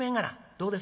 どうです？